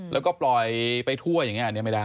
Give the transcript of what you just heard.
แล้วก็ปล่อยไปทั่วอย่างนี้อันนี้ไม่ได้